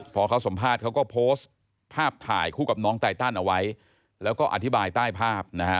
พอเขาสัมภาษณ์เขาก็โพสต์ภาพถ่ายคู่กับน้องไตตันเอาไว้แล้วก็อธิบายใต้ภาพนะฮะ